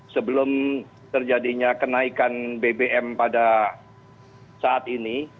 sebelum terjadinya kenaikan bbm pada saat ini